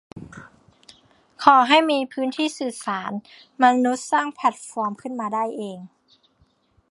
ขอให้มีพื้นที่สื่อสาร มนุษย์สร้างแพลตฟอร์มขึ้นมาได้เอง